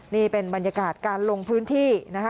นี่เป็นบรรยากาศการลงพื้นที่นะคะ